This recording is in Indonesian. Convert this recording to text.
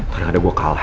kadang ada gue kalah